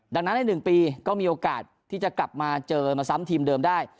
ดังนั้นใน๑ปีก็มีโอกาสที่จะกลับมาเจอมาซ้ำทีมเดิมได้